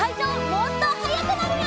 もっと早くなるよ！」